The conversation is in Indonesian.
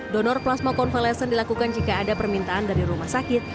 donor plasma konvalesen dilakukan jika ada permintaan dari rumah sakit